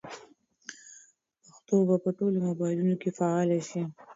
پښتو به په ټولو موبایلونو کې فعاله شي.